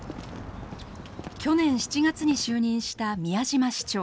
去年７月に就任した宮嶋市長。